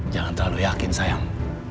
jangan terlalu yakin sayang